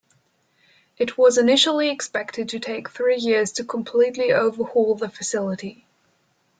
It was initially expected to take three years to completely overhaul the facility.